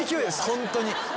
ホントに。